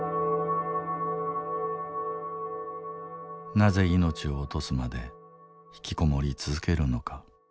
なぜ命を落とすまでひきこもり続けるのか。